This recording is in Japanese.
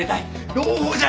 朗報じゃ。